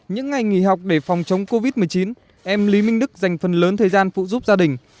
những ngày nghỉ học để phòng chống covid một mươi chín em lý minh đức dành phần lớn thời gian phụ giúp gia đình